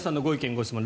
・ご質問